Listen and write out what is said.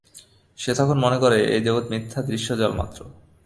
সে তখন মনে করে, এই জগৎ মিথ্যা দৃশ্যজাল মাত্র।